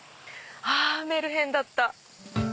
メルヘンだった。